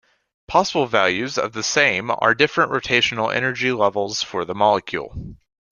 Possible values of the same are different rotational energy levels for the molecule.